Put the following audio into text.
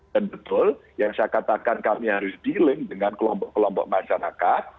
betul yang saya katakan kami harus dealing dengan kelompok kelompok masyarakat